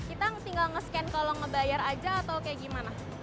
itang tinggal nge scan kalau ngebayar aja atau kayak gimana